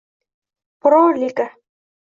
Pro-Liga